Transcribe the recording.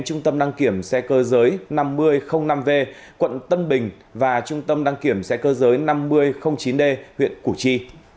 trung tâm đăng kiểm xe cơ giới năm nghìn năm v quận tân bình và trung tâm đăng kiểm xe cơ giới năm nghìn chín d huyện củ chi